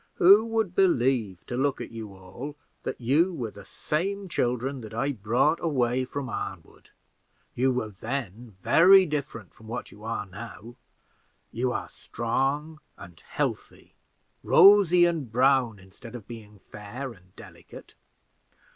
Who would believe, to look at you all, that you were the same children that I brought away from Arnwood? You were then very different from what you are now. You are strong and healthy, rosy and brown, instead of being fair and delicate.